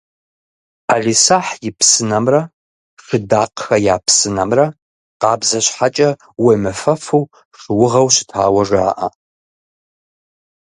«ӏэлисахь и псынэмрэ» «Шыдакъхэ я псынэмрэ» къабзэ щхьэкӏэ, уемыфэфу шыугъэу щытауэ жаӏэ.